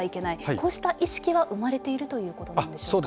こうした意識は生まれているということなんでしょうか。